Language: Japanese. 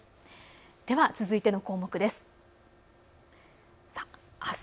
では続いての項目です。